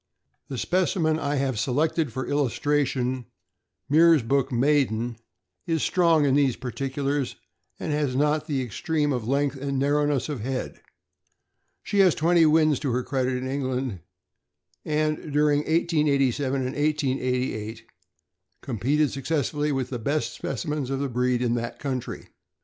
The specimen I have selected for illustration, Meersbrook Maiden (13744), is strong in these particulars, and has not the extreme of length and narrowness of head. She has twenty wins to her credit in England, and during 1887 and 1888 competed successfully with the best speci mens of the breed in that country.